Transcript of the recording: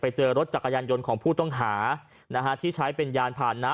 เจอรถจักรยานยนต์ของผู้ต้องหานะฮะที่ใช้เป็นยานผ่านน้ำ